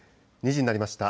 ２時になりました。